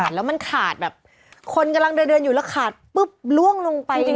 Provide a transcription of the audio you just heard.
แล้วมันขาดแบบคนกำลังเดินอยู่แล้วขาดปุ๊บล่วงลงไปจริง